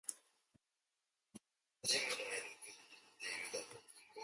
その入り口で立ちすくんでしまった。あまりに期待がみごとに的中したからである。そこで旅芸人